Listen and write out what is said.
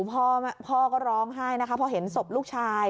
พ่อก็ร้องไห้นะคะพอเห็นศพลูกชาย